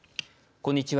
こんにちは。